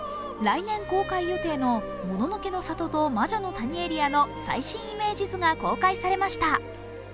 来年公開予定のもののけの里と魔女の谷エリアの最新イメージ図が公開されました。